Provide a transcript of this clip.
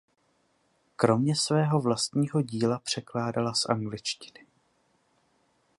Kromě svého vlastního díla překládala z angličtiny.